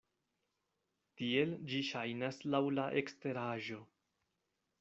Tiel ĝi ŝajnas laŭ la eksteraĵo.